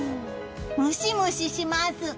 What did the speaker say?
ムシムシします。